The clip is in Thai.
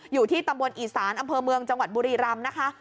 อยู่ที่ตำบลอีสานอำเภอเมืองจังหวัดบุรีรำนะคะ